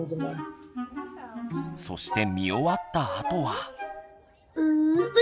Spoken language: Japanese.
そして見終わったあとは。